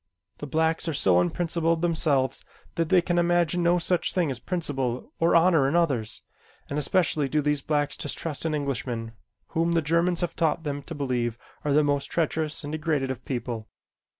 The blacks are so unprincipled themselves that they can imagine no such thing as principle or honor in others, and especially do these blacks distrust an Englishman whom the Germans have taught them to believe are the most treacherous and degraded of people.